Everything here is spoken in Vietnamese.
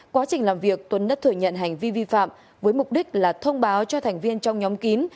quá trình làm việc tuấn đã thừa nhận hành vi vi phạm với mục đích là thông báo cho thành viên trong nhóm kín